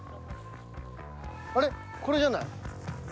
あれこれじゃない？